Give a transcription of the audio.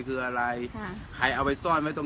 เยินจรเอาไปไม่รู้